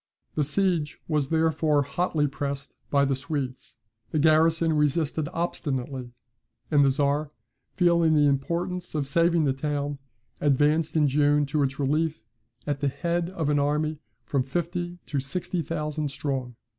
The siege was therefore hotly pressed by the Swedes; the garrison resisted obstinately; and the Czar, feeling the importance of saving the town, advanced in June to its relief, at the head of an army from fifty to sixty thousand strong.